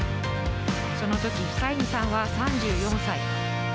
その時、フサイニさんは３４歳。